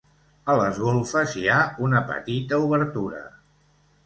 A les golfes hi ha una petita obertura.